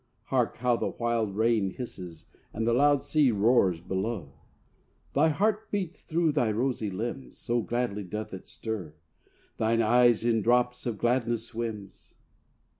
Hark how the wild rain hisses, And the loud sea roars below. Thy heart beats through thy rosy limbs So gladly doth it stir; Thine eye in drops of gladness swims.